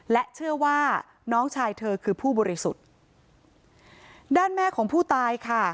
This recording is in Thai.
และเชื่อว่าน้องชายเธอคือผู้บริสุทธิ์ด้านแม่ของผู้ตายค่ะ